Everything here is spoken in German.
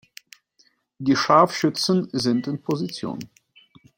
Die Scharfschützen sind in Position.